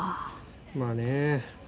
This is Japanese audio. まあね。